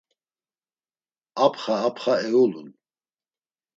Apxa, apxa eulun…